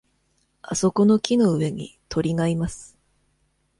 あそこの木の上に鳥がいます。